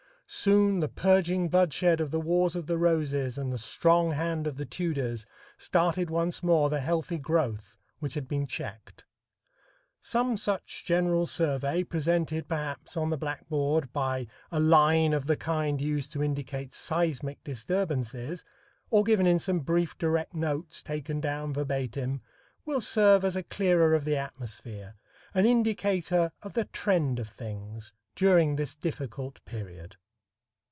Soon the purging bloodshed of the Wars of the Roses and the strong hand of the Tudors started once more the healthy growth which had been checked. Some such general survey, presented, perhaps on the blackboard by a line of the kind used to indicate seismic disturbances, or given in some brief direct notes taken down verbatim, will serve as a clearer of the atmosphere, an indicator of the trend of things during this difficult period.